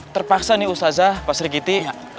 terpaksa nih ustazah pak serigiti